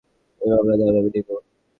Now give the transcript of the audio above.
এই মামলার দায় আমি নিব।